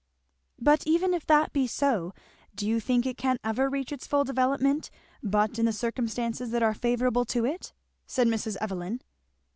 "But even if that be so, do you think it can ever reach its full development but in the circumstances that are favourable to it?" said Mrs. Evelyn.